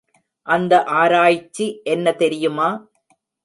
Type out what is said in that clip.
அந்த ஆராய்ச்சி என்ன தெரியுமா?